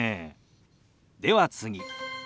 では次。